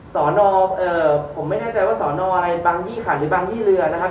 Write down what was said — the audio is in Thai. สอนอผมไม่แน่ใจว่าสอนออะไรบางยี่ขาดหรือบางยี่เรือนะครับ